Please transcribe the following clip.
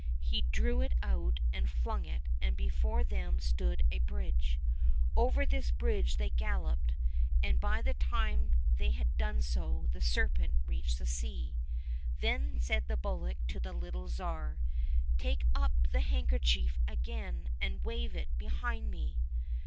He drew it out and flung it, and before them stood a bridge. Over this bridge they galloped, and by the time they had done so, the serpent reached the sea. Then said the bullock to the little Tsar, " Take up the handkerchief again and wave it behind me."